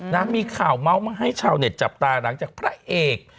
นะมีข่าวเมาส์มาให้ชาวเน็ตจับตาหลังจากพระเอก